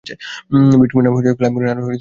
ভিক্টিমের নাম Clive Morin আর ইনি জেমস কস্তা।